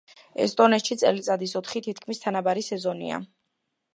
ესტონეთში წელიწადის ოთხი თითქმის თანაბარი სეზონია.